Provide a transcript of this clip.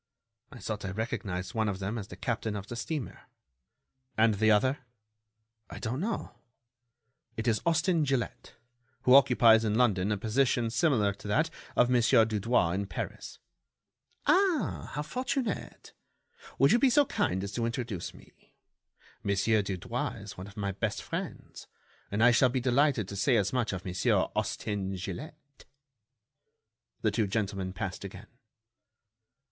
"I thought I recognized one of them as the captain of the steamer." "And the other?" "I don't know." "It is Austin Gilett, who occupies in London a position similar to that of Monsieur Dudouis in Paris." "Ah! how fortunate! Will you be so kind as to introduce me? Monsieur Dudouis is one of my best friends, and I shall be delighted to say as much of Monsieur Austin Gilett." The two gentlemen passed again.